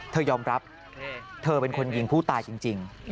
เธอยอมรับเธอเป็นคนยิงผู้ตายจริง